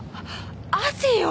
汗よ！